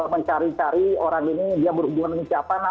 mencari cari orang ini dia berhubungan dengan siapa